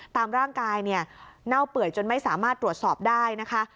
ตามร่างกายเนี่ยเน่าเปื่อยจนไม่สามารถตรวจสอบได้นะคะ